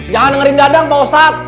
jangan ngerindadang pak ustadz